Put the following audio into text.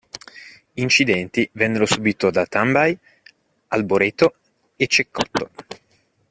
Incidenti vennero subiti da Tambay, Alboreto e Cecotto.